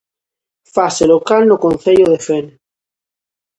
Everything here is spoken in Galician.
Fase local no Concello de Fene.